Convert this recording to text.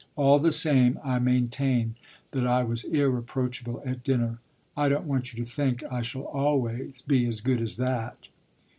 All the same I maintain that I was irreproachable at dinner. I don't want you to think I shall always be as good as that."